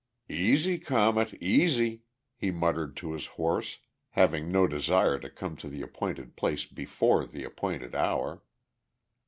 "Easy, Comet, easy," he muttered to his horse, having no desire to come to the appointed place before the appointed hour.